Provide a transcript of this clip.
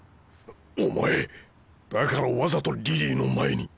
お前だからわざとリリーの前に？